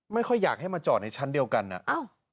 ไม่ค่อยอยากให้มาจอดในชั้นเดียวกันอ่ะอ้าว